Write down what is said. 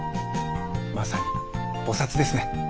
まさに菩ですね。